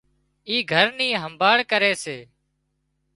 اي گھر نين همڀاۯ ڪري سي